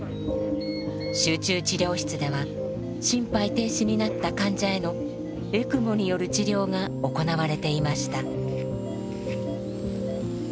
集中治療室では心肺停止になった患者へのエクモによる治療が行われていました。